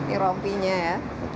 ini rompinya ya